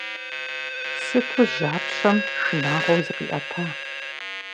Сыту жьапщэм шынагъуэу зыкъиӏэта!